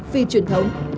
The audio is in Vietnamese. phi truyền thống